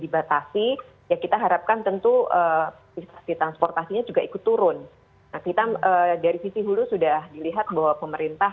bahkan tentu di transportasinya juga ikut turun kita dari sisi hulu sudah dilihat bahwa pemerintah